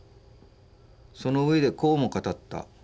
そのうえでこうも語った。